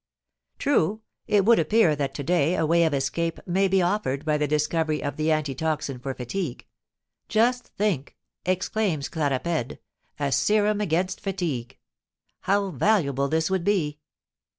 True, it would appear that to day a way of escape may be offered by the discovery of the anti toxine for fatigue. "Just think!" exclaims Claparède, "a serum against fatigue. How valuable this would be!"